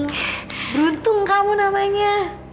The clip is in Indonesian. beruntung kamu namanya